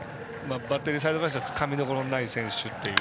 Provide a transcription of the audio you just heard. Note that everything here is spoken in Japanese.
バッテリーサイドからしたらつかみどころのない選手。